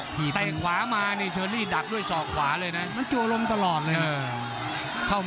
ใต้ขวามาเนี่ยเชิญรีดักด้วยซอกขวาเลยนะ